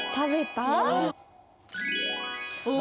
お！